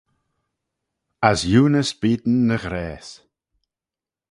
As eunys beayn ny ghrayse.